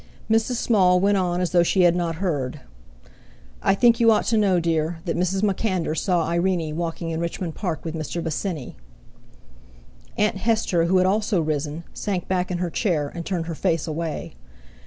Mrs. Small went on as though she had not heard: "I think you ought to know, dear, that Mrs. MacAnder saw Irene walking in Richmond Park with Mr. Bosinney." Aunt Hester, who had also risen, sank back in her chair, and turned her face away.